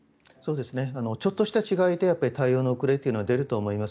ちょっとした違いで対応の遅れは出ると思います。